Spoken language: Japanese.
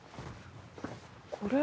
これ。